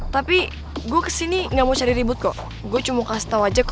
tapi gue kesini gak mau cari ribut kok gue cuma kasih tau aja kalo ini lo penggemar berat